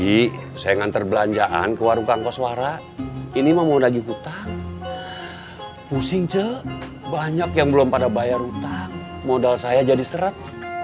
ini sayangan terbelanjaan ke warung kangkos warah ini mau nagih utang pusing ce banyak yang belum pada bayar utang modal saya jadi seret